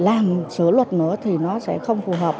làm sửa luật nữa thì nó sẽ không phù hợp